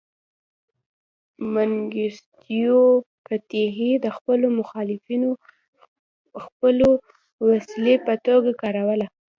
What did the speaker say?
منګیستیو قحطي د خپلو مخالفینو ځپلو وسیلې په توګه کاروله.